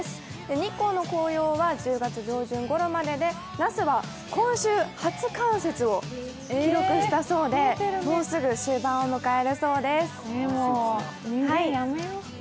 日光の紅葉は１０月上旬ごろまでで、那須は今週初冠雪を記録したそうで、もう人間やめよ。